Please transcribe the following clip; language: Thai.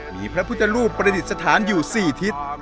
มีพระพุทธรูปประติศาสตร์อยู่สี่ทิศ